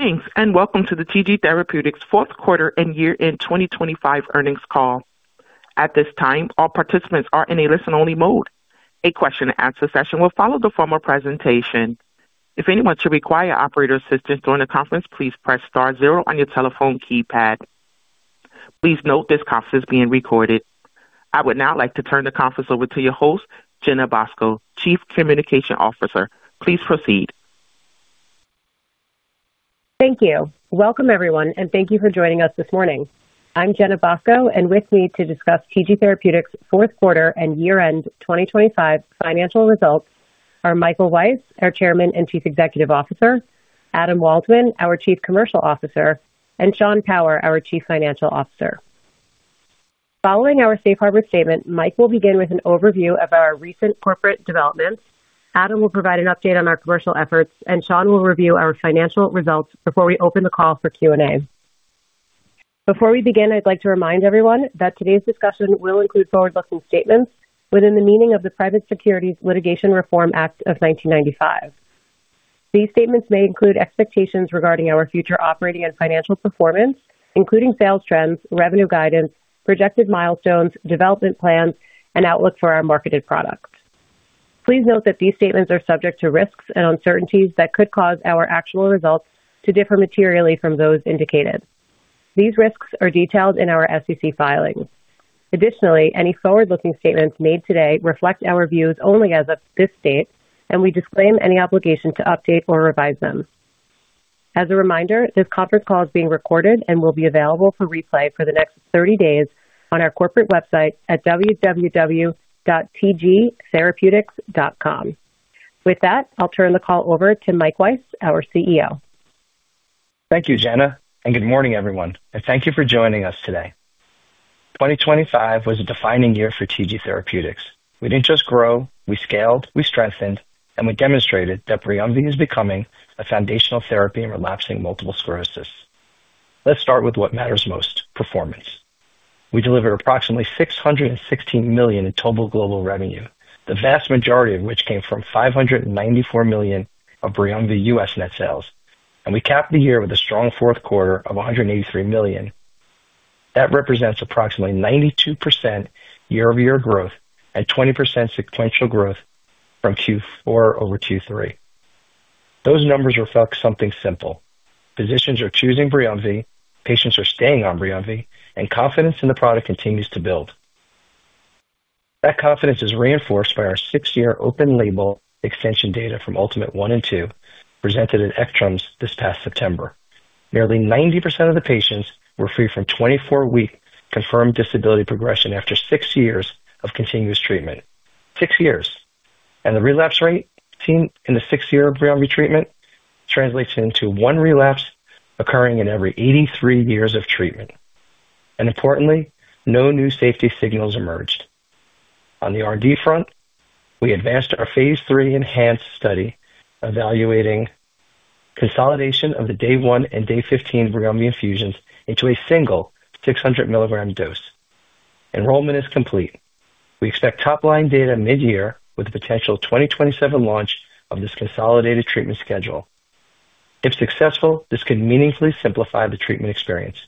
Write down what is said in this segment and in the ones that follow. Greetings, welcome to the TG Therapeutics Fourth Quarter and Year-End 2025 Earnings Call. At this time, all participants are in a listen-only mode. A question and answer session will follow the formal presentation. If anyone should require operator assistance during the conference, please press star zero on your telephone keypad. Please note this conference is being recorded. I would now like to turn the conference over to your host, Jenna Bosco, Chief Communication Officer. Please proceed. Thank you. Welcome, everyone, and thank you for joining us this morning. I'm Jenna Bosco, and with me to discuss TG Therapeutics' Fourth Quarter and Year-End 2025 financial results are Michael Weiss, our Chairman and Chief Executive Officer, Adam Waldman, our Chief Commercial Officer, and Sean Power, our Chief Financial Officer. Following our safe harbor statement, Mike will begin with an overview of our recent corporate developments. Adam will provide an update on our commercial efforts, and Sean will review our financial results before we open the call for Q&A. Before we begin, I'd like to remind everyone that today's discussion will include forward-looking statements within the meaning of the Private Securities Litigation Reform Act of 1995. These statements may include expectations regarding our future operating and financial performance, including sales trends, revenue guidance, projected milestones, development plans, and outlook for our marketed products. Please note that these statements are subject to risks and uncertainties that could cause our actual results to differ materially from those indicated. These risks are detailed in our SEC filings. Additionally, any forward-looking statements made today reflect our views only as of this date, and we disclaim any obligation to update or revise them. As a reminder, this conference call is being recorded and will be available for replay for the next 30 days on our corporate website at www.tgtherapeutics.com. With that, I'll turn the call over to Mike Weiss, our CEO. Thank you, Jenna, and good morning, everyone, and thank you for joining us today. 2025 was a defining year for TG Therapeutics. We didn't just grow, we scaled, we strengthened, and we demonstrated that BRIUMVI is becoming a foundational therapy in relapsing multiple sclerosis. Let's start with what matters most, performance. We delivered approximately $616 million in total global revenue, the vast majority of which came from $594 million of BRIUMVI U.S. net sales, and we capped the year with a strong fourth quarter of $183 million. That represents approximately 92% year-over-year growth and 20% sequential growth from Q4 over Q3. Those numbers reflect something simple. Physicians are choosing BRIUMVI, patients are staying on BRIUMVI, and confidence in the product continues to build. That confidence is reinforced by our six-year open-label extension data from ULTIMATE I and II, presented in ECTRIMS this past September. Nearly 90% of the patients were free from 24-week confirmed disability progression after six years of continuous treatment. Six years! The relapse rate seen in the six-year BRIUMVI treatment translates into one relapse occurring in every 83 years of treatment. Importantly, no new safety signals emerged. On the R&D front, we advanced our phase III ENHANCE study evaluating consolidation of the day one and day 15 BRIUMVI infusions into a single 600 milligram dose. Enrollment is complete. We expect top-line data mid-year with a potential 2027 launch of this consolidated treatment schedule. If successful, this could meaningfully simplify the treatment experience.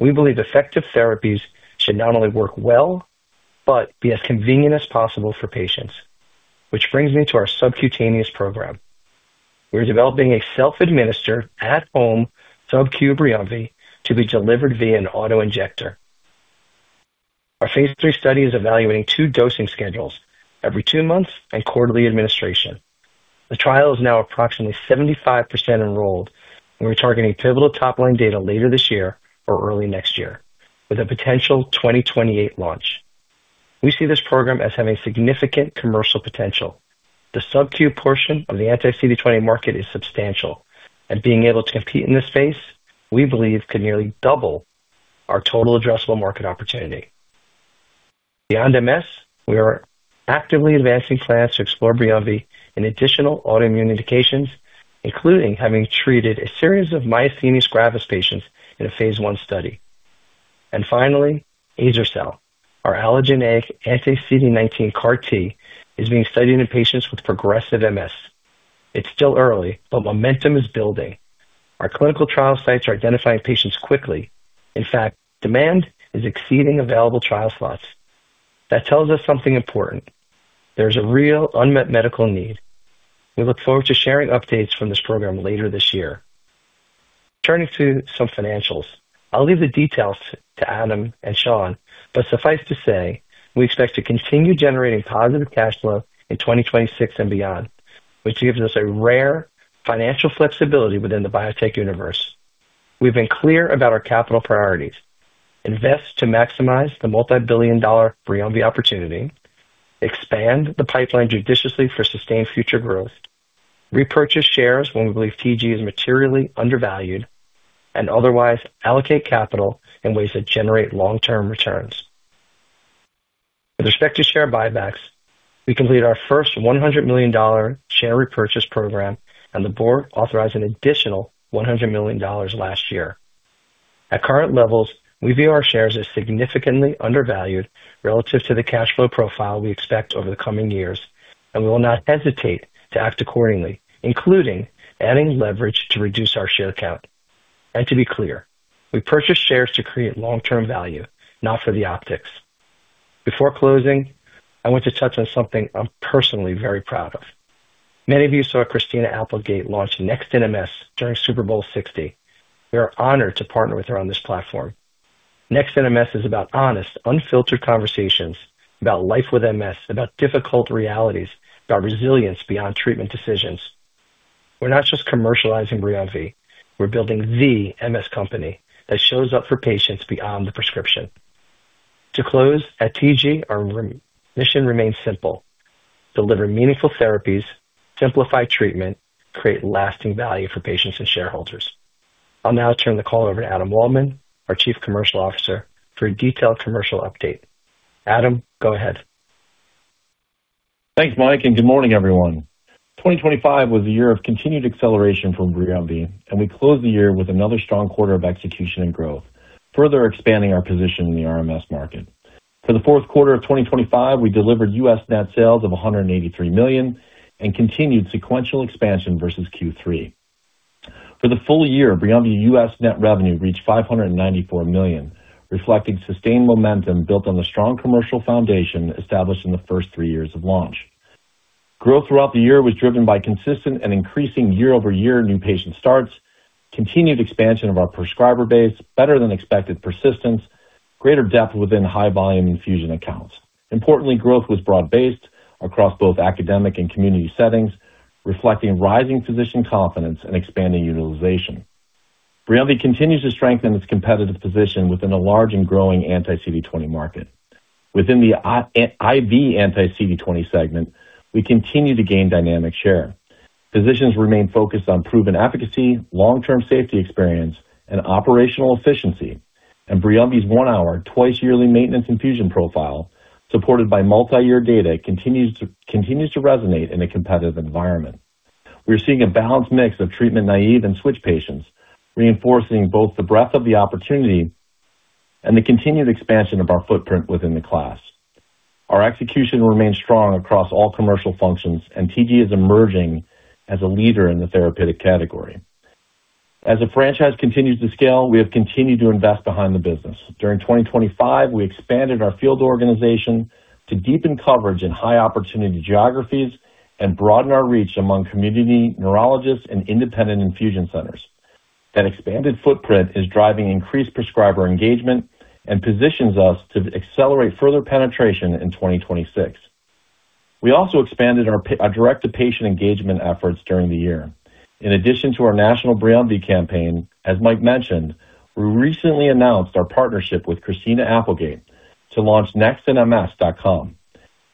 We believe effective therapies should not only work well, but be as convenient as possible for patients. Which brings me to our subcutaneous program. We're developing a self-administered, at-home sub-Q BRIUMVI to be delivered via an auto-injector. Our phase III study is evaluating two dosing schedules; every two months and quarterly administration. The trial is now approximately 75% enrolled, and we're targeting pivotal top-line data later this year or early next year, with a potential 2028 launch. We see this program as having significant commercial potential. The sub-Q portion of the anti-CD20 market is substantial, and being able to compete in this space, we believe, could nearly double our total addressable market opportunity. Beyond MS, we are actively advancing plans to explore BRIUMVI in additional autoimmune indications, including having treated a series of myasthenia gravis patients in a phase I study. Finally, azer-cel, our allogeneic anti-CD19 CAR T, is being studied in patients with progressive MS. It's still early, but momentum is building. Our clinical trial sites are identifying patients quickly. In fact, demand is exceeding available trial slots. That tells us something important. There's a real unmet medical need. We look forward to sharing updates from this program later this year. Turning to some financials. I'll leave the details to Adam and Sean, but suffice to say, we expect to continue generating positive cash flow in 2026 and beyond, which gives us a rare financial flexibility within the biotech universe. We've been clear about our capital priorities: invest to maximize the multi-billion dollar BRIUMVI opportunity, expand the pipeline judiciously for sustained future growth, repurchase shares when we believe TG is materially undervalued, and otherwise allocate capital in ways that generate long-term returns. With respect to share buybacks, we completed our first $100 million share repurchase program, and the board authorized an additional $100 million last year. At current levels, we view our shares as significantly undervalued relative to the cash flow profile we expect over the coming years, and we will not hesitate to act accordingly, including adding leverage to reduce our share count. To be clear, we purchase shares to create long-term value, not for the optics. Before closing, I want to touch on something I'm personally very proud of. Many of you saw Christina Applegate launch Next in MS during Super Bowl LX. We are honored to partner with her on this platform. Next in MS is about honest, unfiltered conversations, about life with MS, about difficult realities, about resilience beyond treatment decisions. We're not just commercializing BRIUMVI, we're building the MS company that shows up for patients beyond the prescription. To close, at TG, our mission remains simple: deliver meaningful therapies, simplify treatment, create lasting value for patients and shareholders. I'll now turn the call over to Adam Waldman, our Chief Commercial Officer, for a detailed commercial update. Adam, go ahead. Thanks, Mike, good morning, everyone. 2025 was a year of continued acceleration for BRIUMVI, and we closed the year with another strong quarter of execution and growth, further expanding our position in the RMS market. For the fourth quarter of 2025, we delivered U.S. net sales of $183 million and continued sequential expansion versus Q3. For the full year, BRIUMVI U.S. net revenue reached $594 million, reflecting sustained momentum built on the strong commercial foundation established in the first three years of launch. Growth throughout the year was driven by consistent and increasing year-over-year new patient starts, continued expansion of our prescriber base, better than expected persistence, greater depth within high-volume infusion accounts. Importantly, growth was broad-based across both academic and community settings, reflecting rising physician confidence and expanding utilization. BRIUMVI continues to strengthen its competitive position within a large and growing anti-CD20 market. Within the IV anti-CD20 segment, we continue to gain dynamic share. Physicians remain focused on proven efficacy, long-term safety experience, and operational efficiency. BRIUMVI's one-hour, twice-yearly maintenance infusion profile, supported by multiyear data, continues to resonate in a competitive environment. We're seeing a balanced mix of treatment-naive and switch patients, reinforcing both the breadth of the opportunity and the continued expansion of our footprint within the class. Our execution remains strong across all commercial functions. TG is emerging as a leader in the therapeutic category. As the franchise continues to scale, we have continued to invest behind the business. During 2025, we expanded our field organization to deepen coverage in high-opportunity geographies and broaden our reach among community neurologists and independent infusion centers. That expanded footprint is driving increased prescriber engagement and positions us to accelerate further penetration in 2026. We also expanded our direct-to-patient engagement efforts during the year. In addition to our national BRIUMVI campaign, as Mike mentioned, we recently announced our partnership with Christina Applegate to launch NextInMS.com,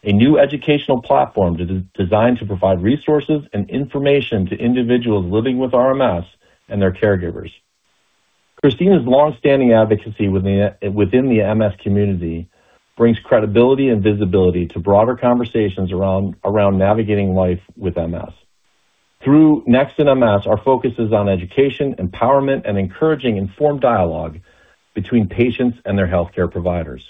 a new educational platform designed to provide resources and information to individuals living with RMS and their caregivers. Christina's long-standing advocacy within the MS community brings credibility and visibility to broader conversations around navigating life with MS. Through Next in MS, our focus is on education, empowerment, and encouraging informed dialogue between patients and their healthcare providers.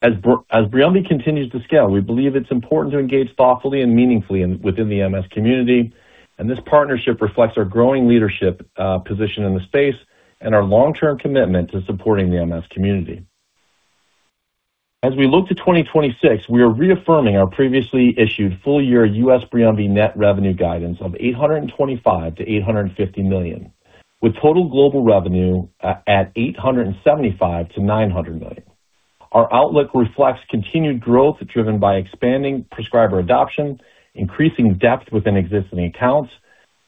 As BRIUMVI continues to scale, we believe it's important to engage thoughtfully and meaningfully in, within the MS community, and this partnership reflects our growing leadership, position in the space and our long-term commitment to supporting the MS community. As we look to 2026, we are reaffirming our previously issued full-year U.S. BRIUMVI net revenue guidance of $825 million-$850 million, with total global revenue, at $875 million-$900 million. Our outlook reflects continued growth, driven by expanding prescriber adoption, increasing depth within existing accounts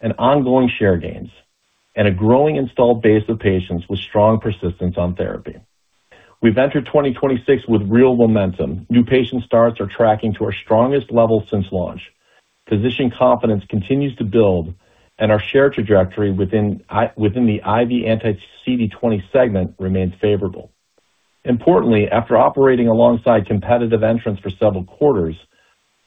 and ongoing share gains, and a growing installed base of patients with strong persistence on therapy. We've entered 2026 with real momentum. New patient starts are tracking to our strongest levels since launch. Physician confidence continues to build, and our share trajectory within the IV anti-CD20 segment remains favorable. Importantly, after operating alongside competitive entrants for several quarters,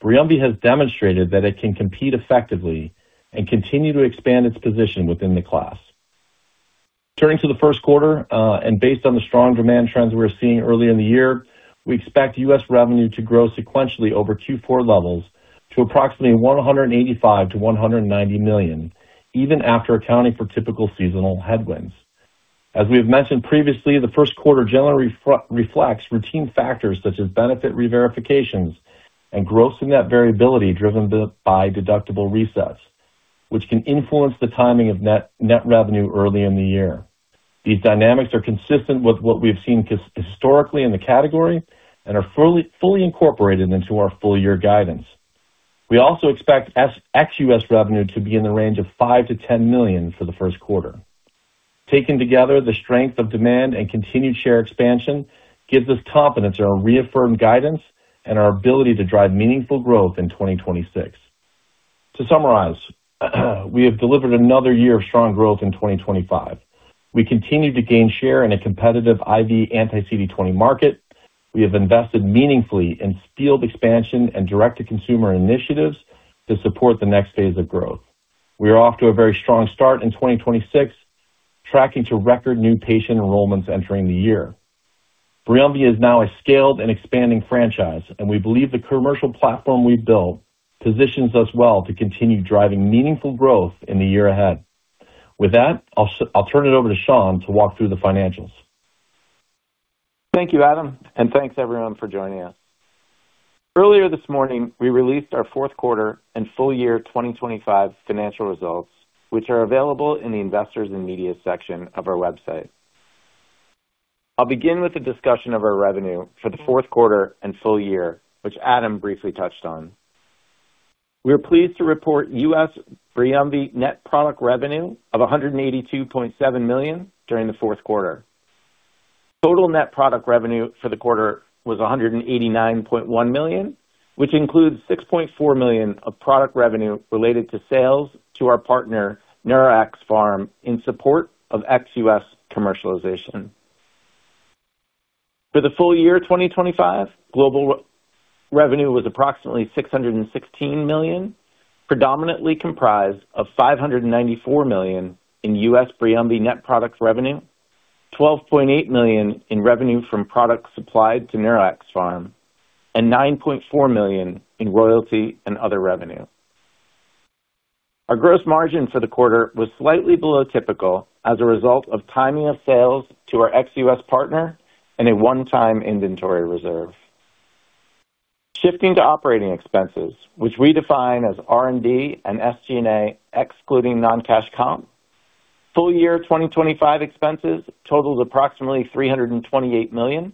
BRIUMVI has demonstrated that it can compete effectively and continue to expand its position within the class. Turning to the first quarter, and based on the strong demand trends we're seeing early in the year, we expect U.S. revenue to grow sequentially over Q4 levels to approximately $185 million-$190 million, even after accounting for typical seasonal headwinds. As we have mentioned previously, the first quarter generally reflects routine factors such as benefit reverifications and gross and net variability driven by deductible resets, which can influence the timing of net revenue early in the year. These dynamics are consistent with what we've seen historically in the category and are fully incorporated into our full year guidance. We also expect ex-U.S. revenue to be in the range of $5 million-$10 million for the first quarter. Taken together, the strength of demand and continued share expansion gives us confidence in our reaffirmed guidance and our ability to drive meaningful growth in 2026. To summarize, we have delivered another year of strong growth in 2025. We continue to gain share in a competitive IV anti-CD20 market. We have invested meaningfully in field expansion and direct-to-consumer initiatives to support the next phase of growth. We are off to a very strong start in 2026, tracking to record new patient enrollments entering the year. BRIUMVI is now a scaled and expanding franchise. We believe the commercial platform we've built positions us well to continue driving meaningful growth in the year ahead. With that, I'll turn it over to Sean to walk through the financials. Thank you, Adam, and thanks, everyone, for joining us. Earlier this morning, we released our fourth quarter and full year 2025 financial results, which are available in the Investors and Media section of our website. I'll begin with a discussion of our revenue for the fourth quarter and full year, which Adam briefly touched on. We are pleased to report U.S. BRIUMVI net product revenue of $182.7 million during the fourth quarter. Total net product revenue for the quarter was $189.1 million, which includes $6.4 million of product revenue related to sales to our partner, Neuraxpharm, in support of ex-U.S. commercialization. For the full year 2025, global revenue was approximately $616 million, predominantly comprised of $594 million in U.S. BRIUMVI net products revenue, $12.8 million in revenue from products supplied to Neuraxpharm, and $9.4 million in royalty and other revenue. Our gross margin for the quarter was slightly below typical as a result of timing of sales to our ex-U.S. partner and a one-time inventory reserve. Shifting to operating expenses, which we define as R&D and SG&A, excluding non-cash comp. Full year 2025 expenses totaled approximately $328 million,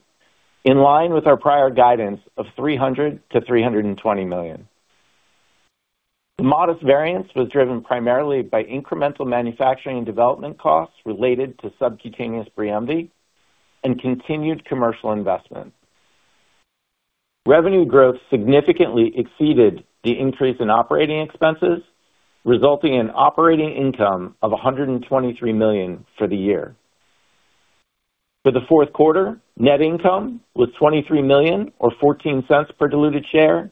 in line with our prior guidance of $300 million-$320 million. The modest variance was driven primarily by incremental manufacturing and development costs related to subcutaneous BRIUMVI and continued commercial investment. Revenue growth significantly exceeded the increase in operating expenses, resulting in operating income of $123 million for the year. For the fourth quarter, net income was $23 million, or $0.14 per diluted share.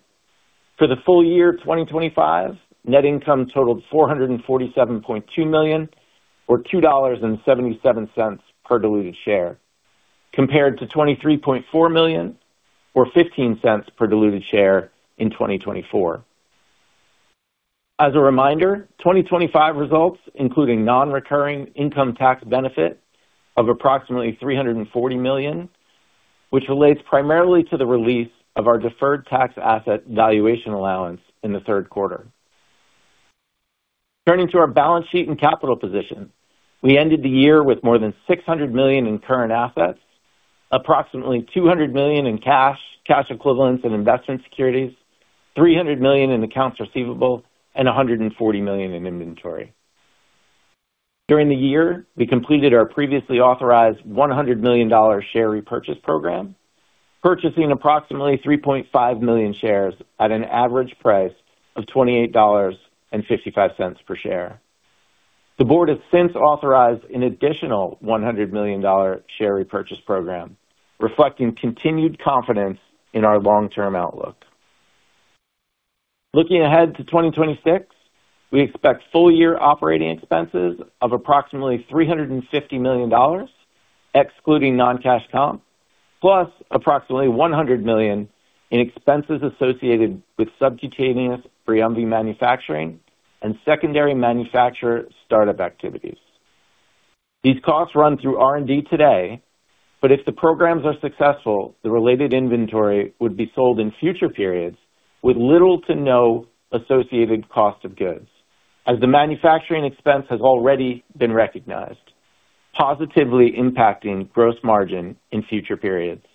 For the full year 2025, net income totaled $447.2 million, or $2.77 per diluted share, compared to $23.4 million, or $0.15 per diluted share in 2024. As a reminder, 2025 results, including non-recurring income tax benefit of approximately $340 million, which relates primarily to the release of our deferred tax asset valuation allowance in the third quarter. Turning to our balance sheet and capital position, we ended the year with more than $600 million in current assets, approximately $200 million in cash equivalents and investment securities, $300 million in accounts receivable and $140 million in inventory. During the year, we completed our previously authorized $100 million share repurchase program, purchasing approximately 3.5 million shares at an average price of $28.55 per share. The board has since authorized an additional $100 million share repurchase program, reflecting continued confidence in our long-term outlook. Looking ahead to 2026, we expect full-year operating expenses of approximately $350 million, excluding non-cash comp, plus approximately $100 million in expenses associated with subcutaneous BRIUMVI manufacturing and secondary manufacturer startup activities. These costs run through R&D today, but if the programs are successful, the related inventory would be sold in future periods with little to no associated cost of goods, as the manufacturing expense has already been recognized, positively impacting gross margin in future periods.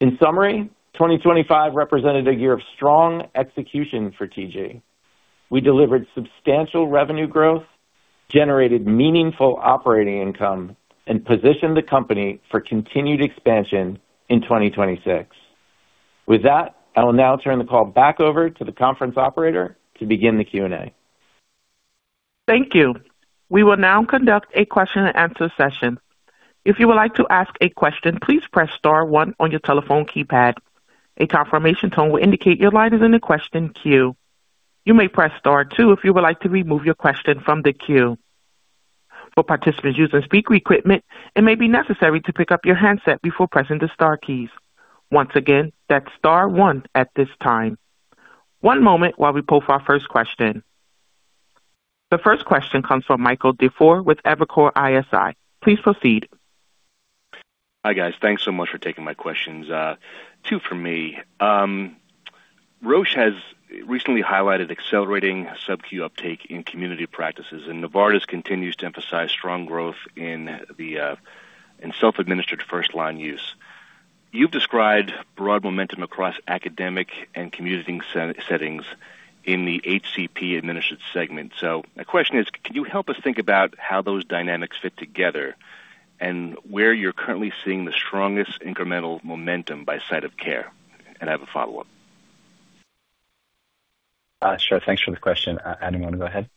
In summary, 2025 represented a year of strong execution for TG. We delivered substantial revenue growth, generated meaningful operating income, and positioned the company for continued expansion in 2026. With that, I will now turn the call back over to the conference operator to begin the Q&A. Thank you. We will now conduct a question-and-answer session. If you would like to ask a question, please press star one on your telephone keypad. A confirmation tone will indicate your line is in the question queue. You may press star two if you would like to remove your question from the queue. For participants using speaker equipment, it may be necessary to pick up your handset before pressing the star keys. Once again, that's star one at this time. One moment while we pull for our first question. The first question comes from Michael Schmidt with Evercore ISI. Please proceed. Hi, guys. Thanks so much for taking my questions. Two for me. Roche has recently highlighted accelerating sub-Q uptake in community practices, and Novartis continues to emphasize strong growth in the self-administered first-line use. You've described broad momentum across academic and community settings in the HCP administered segment. My question is, can you help us think about how those dynamics fit together and where you're currently seeing the strongest incremental momentum by site of care? I have a follow-up. Sure. Thanks for the question. Adam, you want to go ahead?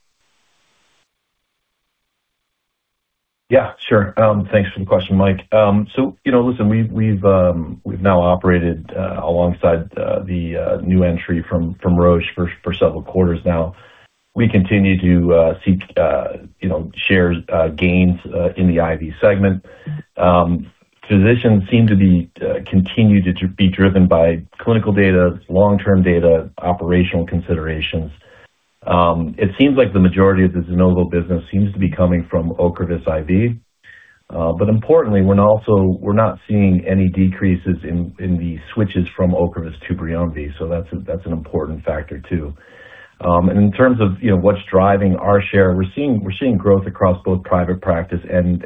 Yeah, sure. Thanks for the question, Mike. You know, listen, we've now operated alongside the new entry from Roche for several quarters now. We continue to seek, you know, shares gains in the IV segment. Physicians seem to be continue to be driven by clinical data, long-term data, operational considerations. It seems like the majority of the Zeposia business seems to be coming from Ocrevus IV. Importantly, we're not seeing any decreases in the switches from Ocrevus to BRIUMVI, so that's an important factor, too. In terms of, you know, what's driving our share, we're seeing growth across both private practice and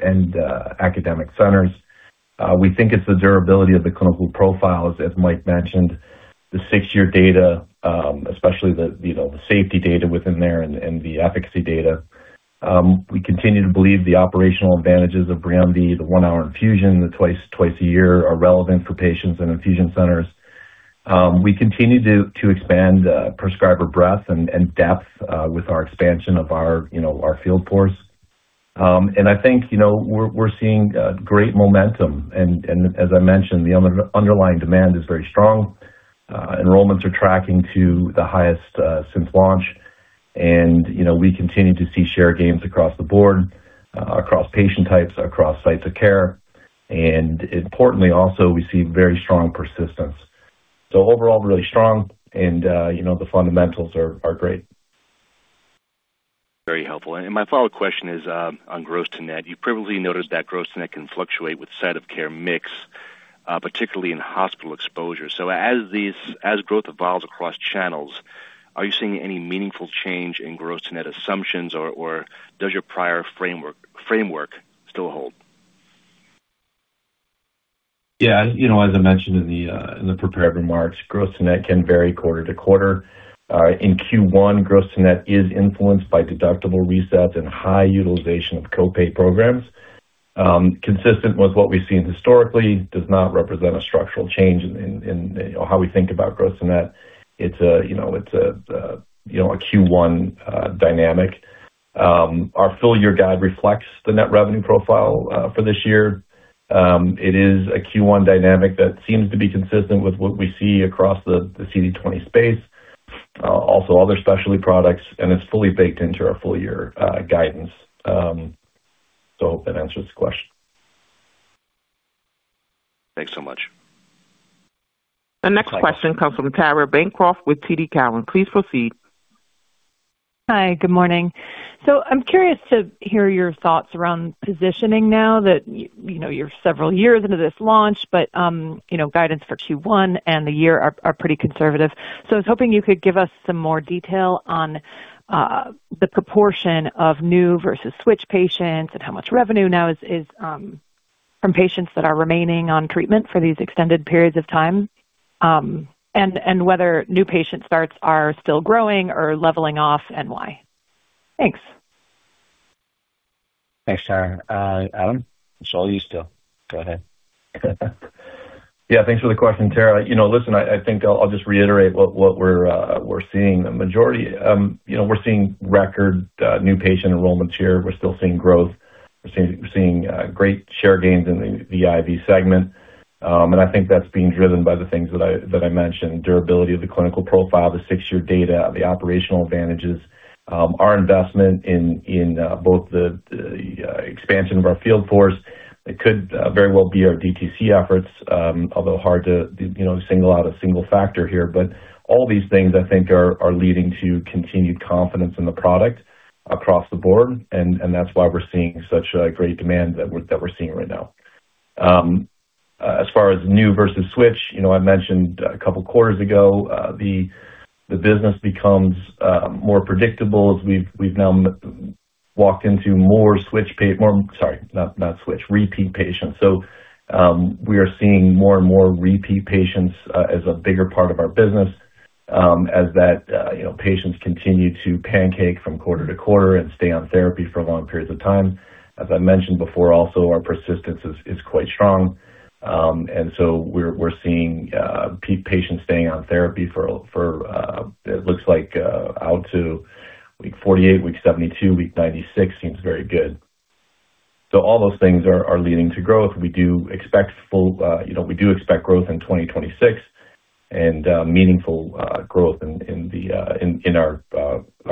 academic centers. We think it's the durability of the clinical profiles, as Mike mentioned, the six-year data, especially the, you know, the safety data within there and the efficacy data. We continue to believe the operational advantages of BRIUMVI, the one-hour infusion, twice a year, are relevant for patients in infusion centers. We continue to expand prescriber breadth and depth with our expansion of our, you know, our field force. I think, you know, we're seeing great momentum, and as I mentioned, the underlying demand is very strong. Enrollments are tracking to the highest since launch. You know, we continue to see share gains across the board, across patient types, across sites of care. Importantly, also, we see very strong persistence. Overall, really strong, and, you know, the fundamentals are great. Very helpful. My follow-up question is on gross to net. You previously noticed that gross net can fluctuate with site of care mix, particularly in hospital exposure. As growth evolves across channels, are you seeing any meaningful change in gross to net assumptions, or does your prior framework still hold? Yeah, you know, as I mentioned in the in the prepared remarks, gross to net can vary quarter to quarter. In Q1, gross to net is influenced by deductible resets and high utilization of co-pay programs. Consistent with what we've seen historically, does not represent a structural change in, you know, how we think about gross to net. It's a, you know, it's a, you know, a Q1 dynamic. Our full year guide reflects the net revenue profile for this year. It is a Q1 dynamic that seems to be consistent with what we see across the CD20 space, also other specialty products, and it's fully baked into our full year guidance. I hope that answers the question. Thanks so much. The next question comes from Tara Bancroft with TD Cowen. Please proceed. Hi, good morning. I'm curious to hear your thoughts around positioning now that you know, you're several years into this launch, but, you know, guidance for Q1 and the year are pretty conservative. I was hoping you could give us some more detail on the proportion of new versus switch patients and how much revenue now is from patients that are remaining on treatment for these extended periods of time. Whether new patient starts are still growing or leveling off, and why? Thanks. Thanks, Tara. Adam, it's all you still. Go ahead. Yeah, thanks for the question, Tara Bancroft. You know, listen, I think I'll just reiterate what we're seeing. The majority, you know, we're seeing record new patient enrollments here. We're still seeing growth. We're seeing great share gains in the IV segment. I think that's being driven by the things that I mentioned, durability of the clinical profile, the six-year data, the operational advantages. Our investment in both the expansion of our field force, it could very well be our DTC efforts, although hard to, you know, single out a single factor here. All these things, I think, are leading to continued confidence in the product across the board, and that's why we're seeing such a great demand that we're seeing right now. As far as new versus switch, you know, I mentioned a couple quarters ago, the business becomes more predictable as we've now walked into more repeat patients. We are seeing more and more repeat patients as a bigger part of our business, as that, you know, patients continue to pancake from quarter to quarter and stay on therapy for long periods of time. As I mentioned before, also, our persistence is quite strong. We're seeing patients staying on therapy for it looks like out to week 48, week 72, week 96 seems very good. All those things are leading to growth. We do expect full, you know, we do expect growth in 2026 and meaningful growth in the in our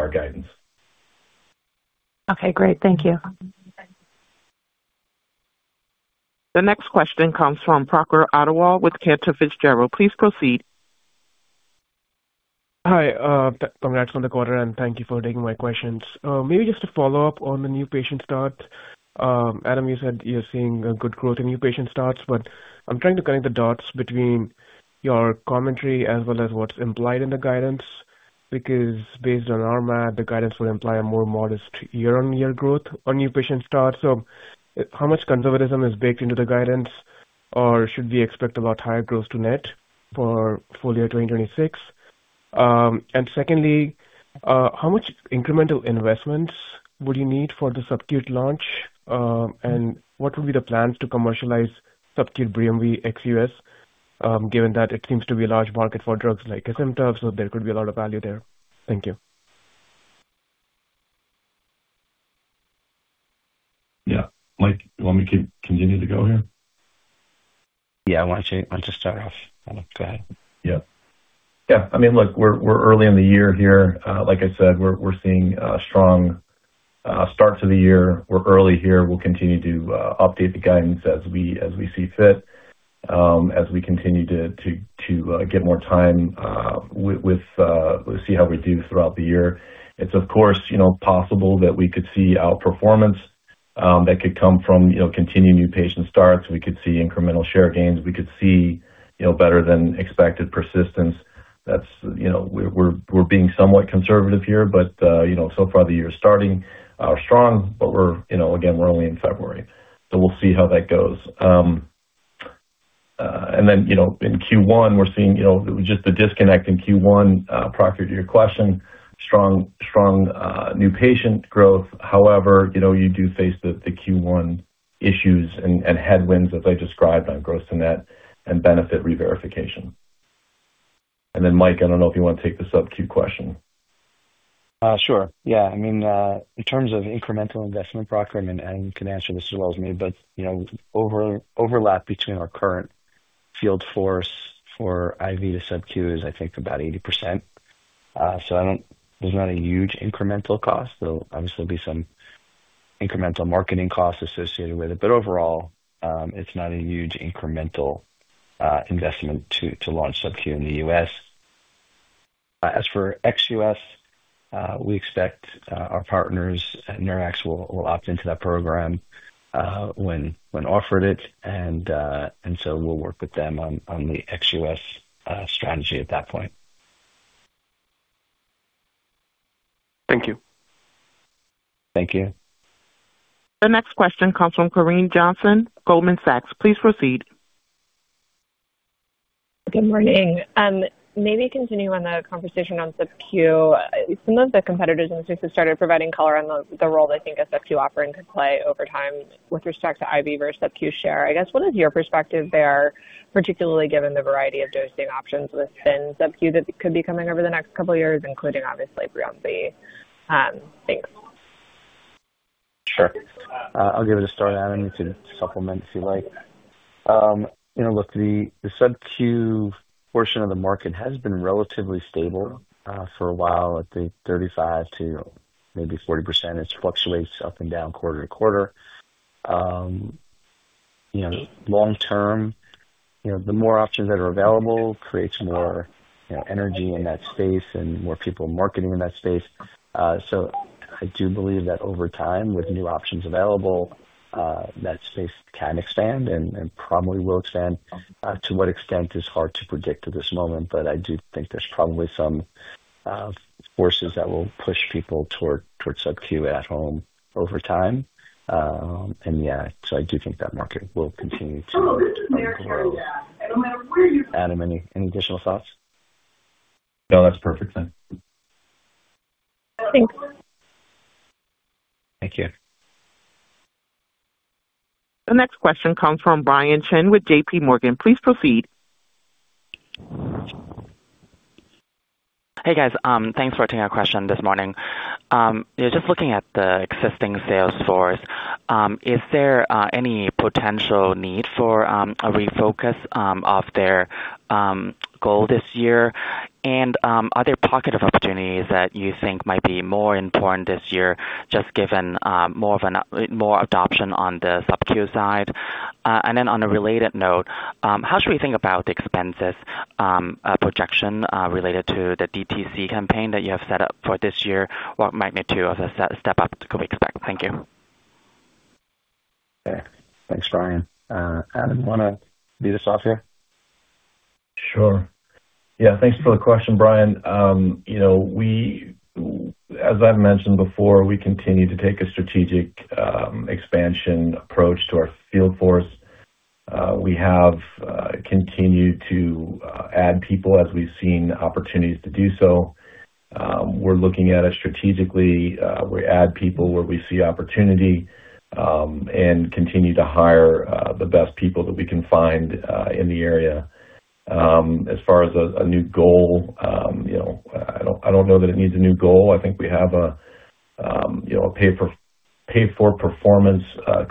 guidance. Okay, great. Thank you. The next question comes from Prakhar Agrawal with Cantor Fitzgerald. Please proceed. Hi, congrats on the quarter, and thank you for taking my questions. Maybe just to follow up on the new patient start. Adam Waldman, you said you're seeing a good growth in new patient starts, but I'm trying to connect the dots between your commentary as well as what's implied in the guidance, because based on our math, the guidance would imply a more modest year-on-year growth on new patient start. How much conservatism is baked into the guidance, or should we expect about higher growth to net for full year 2026? Secondly, how much incremental investments would you need for the sub-Q launch? What would be the plans to commercialize sub-Q BRIUMVI ex-U.S.? Given that it seems to be a large market for drugs like MS drugs, there could be a lot of value there. Thank you. Yeah. Mike, you want me to continue to go here? Yeah, why don't you start off? Go ahead. Yeah. Yeah. I mean, look, we're early in the year here. Like I said, we're seeing a strong start to the year. We're early here. We'll continue to update the guidance as we see fit, as we continue to get more time, see how we do throughout the year. It's, of course, you know, possible that we could see outperformance, that could come from, you know, continued new patient starts. We could see incremental share gains. We could see, you know, better than expected persistence. That's, you know. We're being somewhat conservative here, but, you know, so far the year's starting strong, but we're, you know, again, we're only in February. We'll see how that goes. You know, in Q1, we're seeing, you know, just the disconnect in Q1, Prakhar, to your question, strong, new patient growth. However, you know, you do face the Q1 issues and headwinds that I described on gross to net and benefit reverification. Mike, I don't know if you want to take the sub-Q question. Sure. Yeah. I mean, in terms of incremental investment, Prakhar, you can answer this as well as me, but, you know, over-overlap between our current field force for IV to subQ is I think about 80%. There's not a huge incremental cost, there'll obviously be some incremental marketing costs associated with it, but overall, it's not a huge incremental, investment to launch subQ in the U.S. As for ex-U.S., we expect, our partners at Neurax will opt into that program, when offered it, we'll work with them on the ex-U.S., strategy at that point. Thank you. Thank you. The next question comes from Corinne Johnson, Goldman Sachs. Please proceed. Good morning. Maybe continue on the conversation on sub-Q. Some of the competitors in the space have started providing color on the role they think a sub-Q offering could play over time with respect to IV versus sub-Q share. I guess, what is your perspective there, particularly given the variety of dosing options within sub-Q that could be coming over the next couple of years, including obviously BRIUMVI? Thanks. Sure. I'll give it a start, Adam, to supplement, if you like. You know, look, the sub-Q portion of the market has been relatively stable, for a while, I think 35% to maybe 40%. It fluctuates up and down quarter to quarter. You know, long term, you know, the more options that are available creates more, you know, energy in that space and more people marketing in that space. I do believe that over time, with new options available, that space can expand and probably will expand. To what extent is hard to predict at this moment, but I do think there's probably some, forces that will push people toward, towards sub-Q at home over time. Yeah, I do think that market will continue to, grow. Adam, any additional thoughts? No, that's perfect, thanks. Thanks. Thank you. The next question comes from Brian Cheng with JPMorgan. Please proceed. Hey, guys. Thanks for taking our question this morning. Just looking at the existing sales force, is there any potential need for a refocus of their goal this year? Are there pocket of opportunities that you think might be more important this year, just given more adoption on the sub-Q side? On a related note, how should we think about the expenses projection related to the DTC campaign that you have set up for this year? What might be two of the step up that we expect? Thank you. Thanks, Brian. Adam, you want to lead us off here? Sure. Yeah, thanks for the question, Brian. You know, we, as I've mentioned before, we continue to take a strategic expansion approach to our field force. We have continued to add people as we've seen opportunities to do so. We're looking at it strategically. We add people where we see opportunity, and continue to hire the best people that we can find in the area. As far as a new goal, you know, I don't, I don't know that it needs a new goal. I think we have a, you know, a pay-for-performance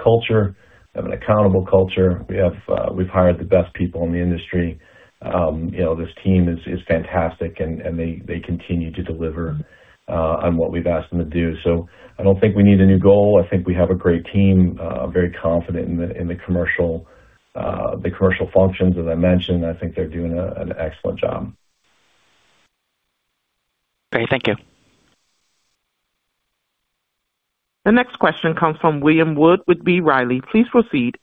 culture, and an accountable culture. We have, we've hired the best people in the industry. You know, this team is fantastic, and they continue to deliver on what we've asked them to do. I don't think we need a new goal. I think we have a great team. I'm very confident in the, in the commercial, the commercial functions. As I mentioned, I think they're doing an excellent job. Great. Thank you. The next question comes from William Wood, with B. Riley. Please proceed.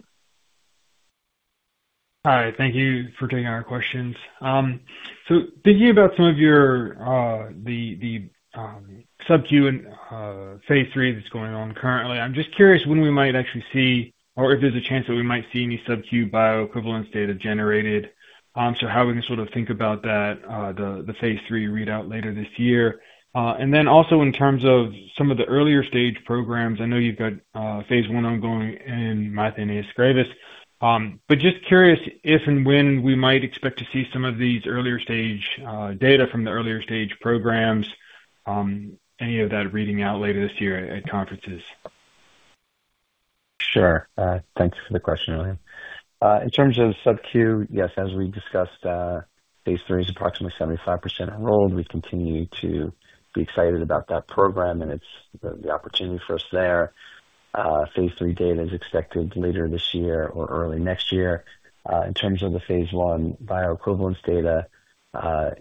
Hi, thank you for taking our questions. Thinking about some of your sub-Q and phase III that's going on currently, I'm just curious when we might actually see, or if there's a chance that we might see any sub-Q bioequivalence data generated. How we can sort of think about that phase III readout later this year. Also in terms of some of the earlier stage programs, I know you've got phase I ongoing in myasthenia gravis. Just curious if and when we might expect to see some of these earlier stage data from the earlier stage programs, any of that reading out later this year at conferences? Sure. Thanks for the question, William. In terms of sub-Q, yes, as we discussed, phase III is approximately 75% enrolled. We continue to be excited about that program, and it's the opportunity for us there. Phase III data is expected later this year or early next year. In terms of the phase I bioequivalence data,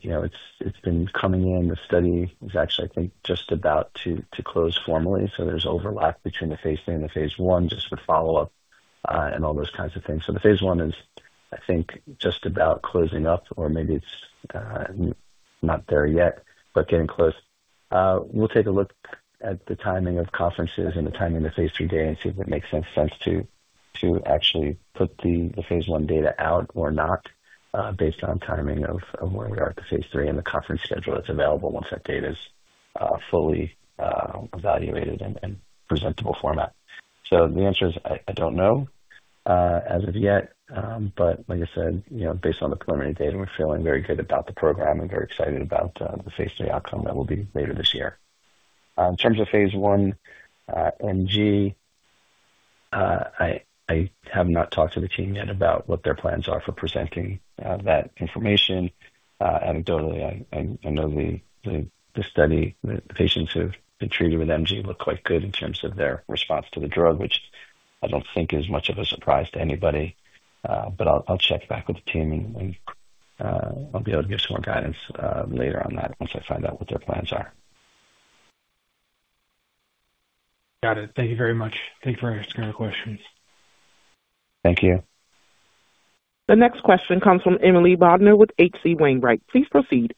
you know, it's been coming in. The study is actually, I think, just about to close formally. There's overlap between the phase III and the phase I, just the follow-up, and all those kinds of things. The phase I is, I think, just about closing up or maybe it's not there yet, but getting close. We'll take a look at the timing of conferences and the timing of phase III data and see if it makes sense to actually put the phase I data out or not, based on timing of where we are at the phase III and the conference schedule that's available once that data is fully evaluated in presentable format. The answer is, I don't know as of yet. Like I said, you know, based on the preliminary data, we're feeling very good about the program and very excited about the phase III outcome that will be later this year. In terms of phase I-MG, I have not talked to the team yet about what their plans are for presenting that information. Anecdotally, I know the study, the patients who've been treated with MG look quite good in terms of their response to the drug, which I don't think is much of a surprise to anybody. I'll check back with the team and I'll be able to give some more guidance later on that once I find out what their plans are. Got it. Thank you very much. Thanks for answering our questions. Thank you. The next question comes from Emily Bodnar with H.C. Wainwright. Please proceed.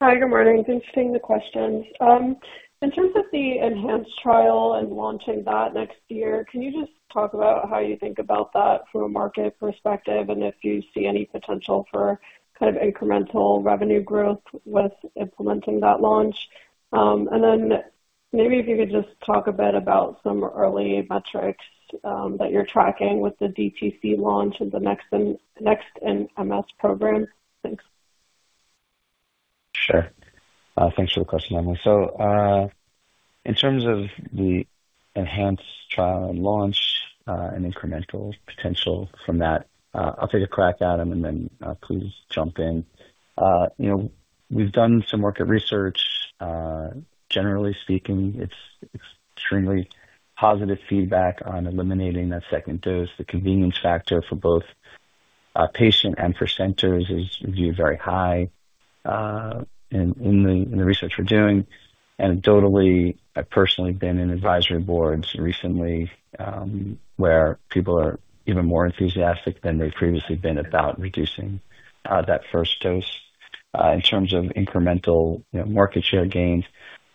Hi, good morning. Thanks for taking the questions. In terms of the ENHANCE trial and launching that next year, can you just talk about how you think about that from a market perspective, and if you see any potential for kind of incremental revenue growth with implementing that launch? Then maybe if you could just talk a bit about some early metrics that you're tracking with the DTC launch and the Next in MS program. Thanks. Sure. Thanks for the question, Emily. In terms of the ENHANCE trial and launch, and incremental potential from that, I'll take a crack at it, and then please jump in. You know, we've done some market research. Generally speaking, it's extremely positive feedback on eliminating that second dose. The convenience factor for both patient and for centers is viewed very high in the research we're doing. Anecdotally, I've personally been in advisory boards recently, where people are even more enthusiastic than they've previously been about reducing that first dose. In terms of incremental, you know, market share gains,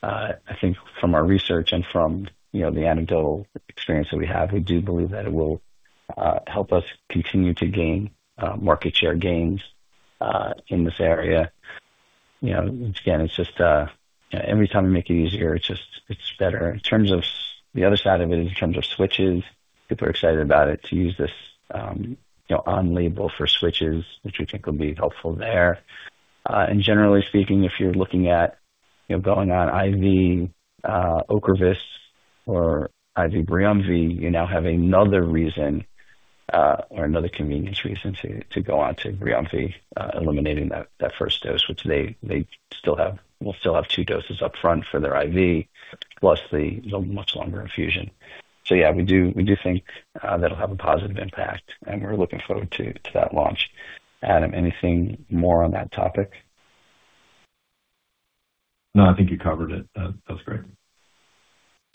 I think from our research and from, you know, the anecdotal experience that we have, we do believe that it will help us continue to gain market share gains in this area. You know, again, it's just, every time we make it easier, it's just, it's better. In terms of the other side of it, in terms of switches, people are excited about it to use this, you know, on label for switches, which we think will be helpful there. Generally speaking, if you're looking at, you know, going on IV Ocrevus or IV BRIUMVI, you now have another reason or another convenience reason to go on to BRIUMVI, eliminating that first dose, which they will still have two doses up front for their IV, plus the much longer infusion. Yeah, we do think that'll have a positive impact, and we're looking forward to that launch. Adam, anything more on that topic? No, I think you covered it. That was great.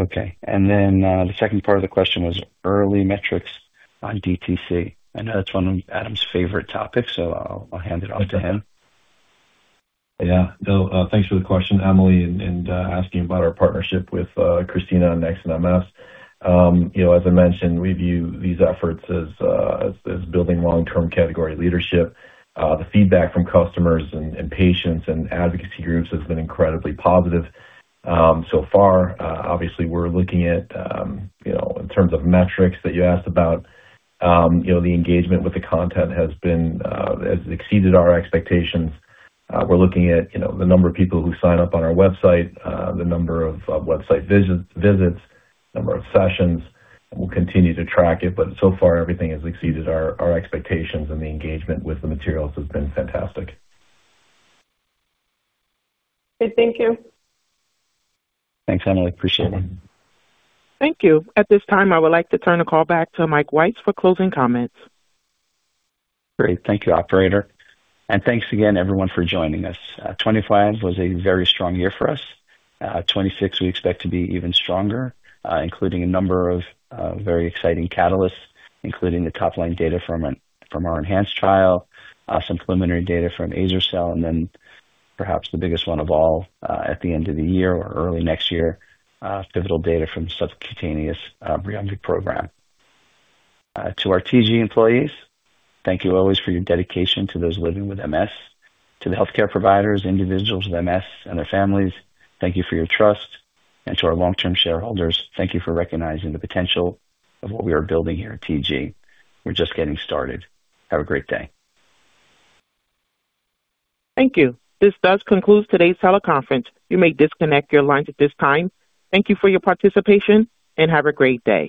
Okay. The second part of the question was early metrics on DTC. I know that's one of Adam's favorite topics, so I'll hand it off to him. No, thanks for the question, Emily, and asking about our partnership with Christina on Next in MS. You know, as I mentioned, we view these efforts as building long-term category leadership. The feedback from customers and patients and advocacy groups has been incredibly positive. So far, obviously, we're looking at, you know, in terms of metrics that you asked about, you know, the engagement with the content has been has exceeded our expectations. We're looking at, you know, the number of people who sign up on our website, the number of website visits, number of sessions. We'll continue to track it, but so far, everything has exceeded our expectations, and the engagement with the materials has been fantastic. Okay. Thank you. Thanks, Emily. Appreciate it. Thank you. At this time, I would like to turn the call back to Mike Weiss for closing comments. Great. Thank you, operator, and thanks again, everyone, for joining us. 2025 was a very strong year for us. 2026, we expect to be even stronger, including a number of very exciting catalysts, including the top-line data from our ENHANCE trial, some preliminary data from azer-cel, then perhaps the biggest one of all, at the end of the year or early next year, pivotal data from subcutaneous BRIUMVI program. To our TG employees, thank you always for your dedication to those living with MS. To the healthcare providers, individuals with MS, and their families, thank you for your trust. To our long-term shareholders, thank you for recognizing the potential of what we are building here at TG. We're just getting started. Have a great day. Thank you. This does conclude today's teleconference. You may disconnect your lines at this time. Thank you for your participation, and have a great day.